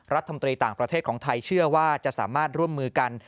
รัฐมนตรีต่างประเทศของไทยเชื่อว่าจะสามารถร่วมมือกัน